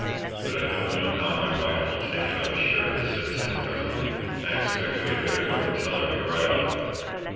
But I don't know how my wife will take it, I'm sure," said Sam presently. "I expect we had better go and tell her, right off."